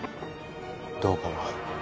どうかな。